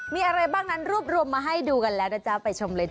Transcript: มีอะไรบ้างนั้นรวบรวมมาให้ดูกันแล้วนะจ๊ะไปชมเลยจ